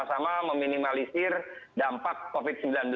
sama meminimalisir dampak covid sembilan belas